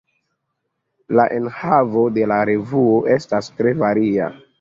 La enhavo de la revuo estas tre varia.